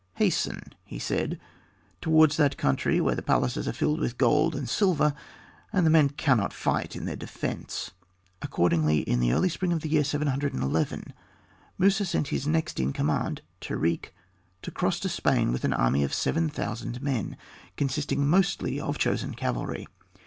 "Hasten," he said, "towards that country where the palaces are filled with gold and silver, and the men cannot fight in their defence." Accordingly, in the early spring of the year 711, Musa sent his next in command, Tarik, to cross to Spain with an army of seven thousand men, consisting mostly of chosen cavalry.